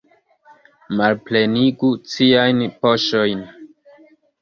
Malplenigu ciajn poŝojn!